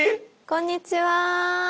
こんにちは。